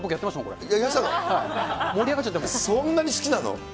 そんなに好きなの？